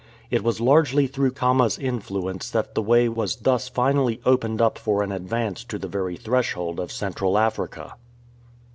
It was largely through Khama's influence that the way was thus finally opened up for an advance to the very threshold of Central Africa.